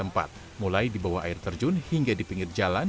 mulai di bawah air terjun hingga di pinggir jalan